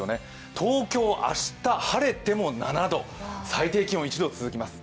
東京、明日晴れても７度、最低気温１度、続きます。